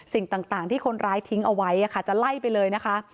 สิ่งต่างที่คนร้ายทิ้งเอาไว้จะไล่ไปเลยนะคะ